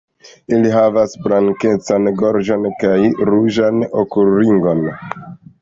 Ili havas blankecan gorĝon kaj ruĝan okulringon.